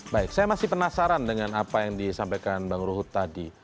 baik saya masih penasaran dengan apa yang disampaikan bang ruhut tadi